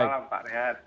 selamat malam pak rehan